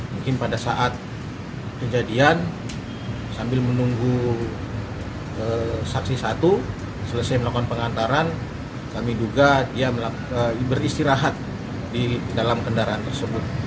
mungkin pada saat kejadian sambil menunggu saksi satu selesai melakukan pengantaran kami duga dia beristirahat di dalam kendaraan tersebut